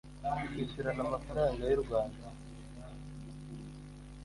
kwishyurana amafaranga y u rwanda